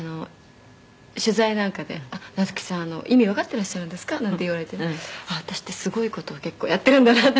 「取材なんかで“夏木さん意味わかっていらっしゃるんですか？”なんて言われて私ってすごい事を結構やっているんだなって」